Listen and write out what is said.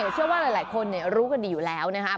เชื่อว่าหลายคนรู้กันดีอยู่แล้วนะครับ